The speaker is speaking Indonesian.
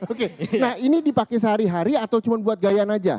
oke nah ini dipakai sehari hari atau cuma buat gayaan aja